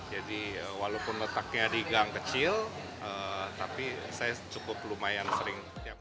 jadi walaupun letaknya digang kecil tapi saya cukup lumayan sering